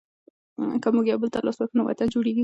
که موږ یو بل ته لاس ورکړو نو وطن جوړیږي.